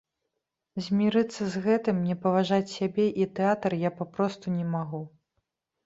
Змірыцца з гэтым, не паважаць сябе і тэатр я папросту не магу.